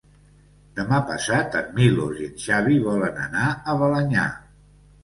Demà passat en Milos i en Xavi volen anar a Balenyà.